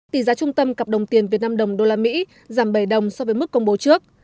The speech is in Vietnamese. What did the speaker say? tỷ giá trung tâm cặp đồng tiền việt nam đồng đô la mỹ giảm bảy đồng so với mức công bố trước